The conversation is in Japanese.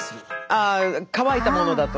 あ乾いたものだとね。